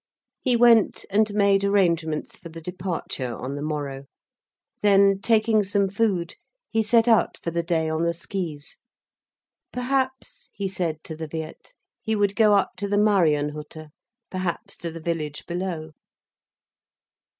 He went and made arrangements for the departure on the morrow. Then, taking some food, he set out for the day on the skis. Perhaps, he said to the Wirt, he would go up to the Marienhütte, perhaps to the village below.